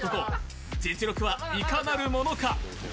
その実力はいかなるものか。